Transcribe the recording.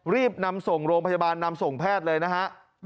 รีบนำส่งโรงพยาบาลนำส่งแพทย์เลยนะฮะ